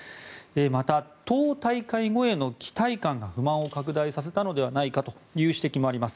また、党大会後への期待感が不満を拡大させたのではという指摘もあります。